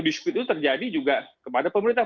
dispute itu terjadi juga kepada pemerintah